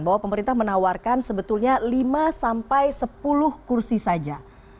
bahwa pemerintah menawarkan sebetulnya lima sampai sepuluh kursi saja